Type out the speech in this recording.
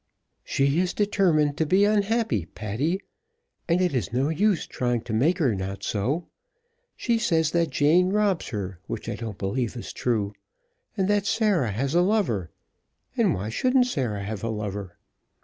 "She is determined to be unhappy, Patty, and it is no use trying to make her not so. She says that Jane robs her, which I don't believe is true, and that Sarah has a lover, and why shouldn't Sarah have a lover?